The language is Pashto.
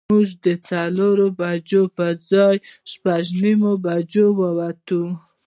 موږ د څلورو بجو پر ځای شپږ نیمې بجې ووتو.